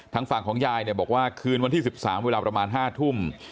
ทางฝั่งของยายเนี่ยบอกว่าคืนวันที่๑๓เวลาประมาณ๕ทุ่ม